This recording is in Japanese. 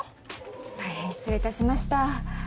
大変失礼いたしました。